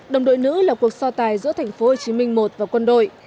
đồng đội nữ là cuộc so tài giữa tp hcm một và quân đội